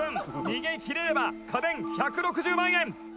逃げ切れれば、家電１６０万円」